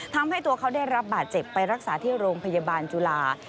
ทำให้ตัวเขาได้รับบาดเจ็บไปรักษาที่โรงพยาบาลจุฬา